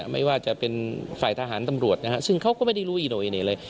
ไม่ว่าจะเป็นฝ่ายทหารตำรวจนะฮะซึ่งเขาก็ไม่ได้รู้อีโนอิเน่เลย